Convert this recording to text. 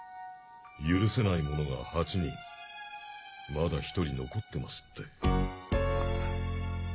「許せない者が８人まだ１人残ってます」って。